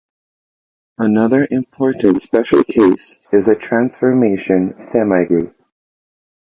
Another important special case is a transformation semigroup.